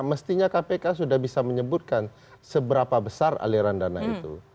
mestinya kpk sudah bisa menyebutkan seberapa besar aliran dana itu